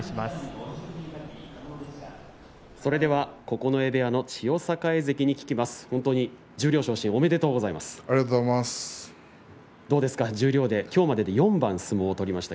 それでは九重部屋の千代栄関に聞きます。